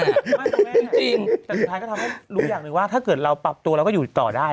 ไม่คุณแม่จริงแต่สุดท้ายก็ทำให้รู้อย่างหนึ่งว่าถ้าเกิดเราปรับตัวเราก็อยู่ต่อได้